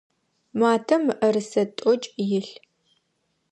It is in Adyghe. Матэм мыӏэрысэ тӏокӏ илъ.